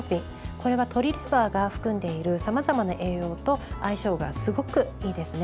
これは鶏レバーが含んでいるさまざまな栄養と相性がすごくいいですね。